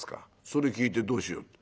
「それ聞いてどうしようと」。